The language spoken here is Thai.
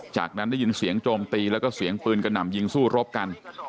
จากนั้นได้ยินเสียงโจมตีแล้วก็เสียงปืนกระหน่ำยิงสู้รบกัน